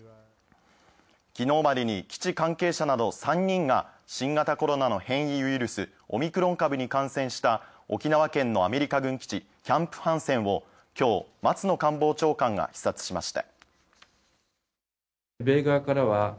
昨日までに基地関係者など３人が新型コロナの変異ウイルス、オミクロン株に感染した沖縄県のアメリカ軍基地キャンプ・ハンセンを今日、松野官房長官が視察しました。